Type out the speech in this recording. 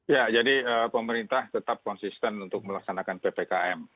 ya jadi pemerintah tetap konsisten untuk melaksanakan ppkm